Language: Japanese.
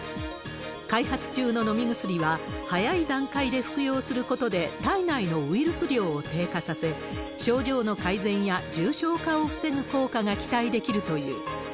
開発中の飲み薬は、早い段階で服用することで体内のウイルス量を低下させ、症状の改善や重症化を防ぐ効果が期待できるという。